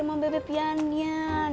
emang beb beb ian ian